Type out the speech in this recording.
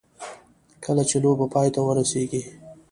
کله چې لوبه پای ته ورسېږي.